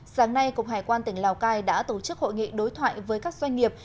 sáng nay cục hải quan tỉnh lào cai đã tổ chức hội nghị đối thoại với các doanh nghiệp